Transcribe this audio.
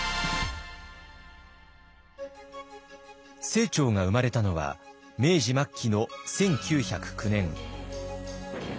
清張が生まれたのは明治末期の１９０９年。